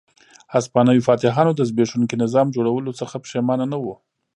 هسپانوي فاتحانو د زبېښونکي نظام جوړولو څخه پښېمانه نه وو.